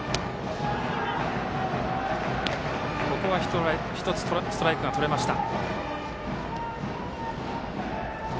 ここは１つストライクがとれました。